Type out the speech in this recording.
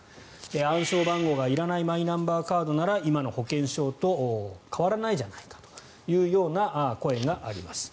暗証番号がいらないマイナンバーカードなら今の保険証と変わらないじゃないかというような声があります。